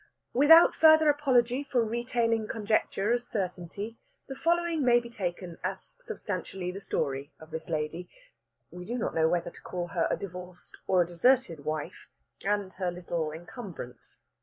Without further apology for retailing conjecture as certainty, the following may be taken as substantially the story of this lady we do not know whether to call her a divorced or a deserted wife and her little encumbrance.